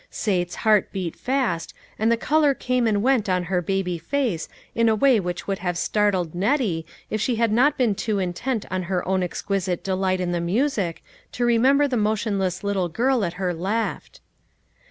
Sate's heart beat fast, and the color came and went on her baby face in a way which would have startled Nettie had she not been too intent on her own exquisite delight in the music, to remember the motionless little girl at her left.